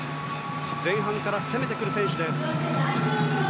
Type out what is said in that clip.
前半から攻めてくる選手です。